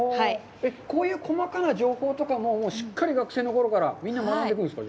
こういう細かな情報とかもしっかり学生のころからみんな学んでるんですか？